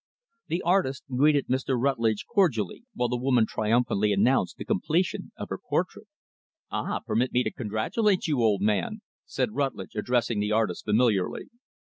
The artist greeted Mr. Rutlidge cordially, while the woman triumphantly announced the completion of her portrait. "Ah! permit me to congratulate you, old man," said Rutlidge, addressing the artist familiarly.